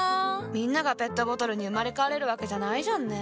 みんながペットボトルに生まれ変われるわけじゃないじゃんね。